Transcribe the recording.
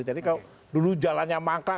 jadi kalau dulu jalannya makra